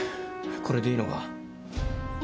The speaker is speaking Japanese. これでいいのか？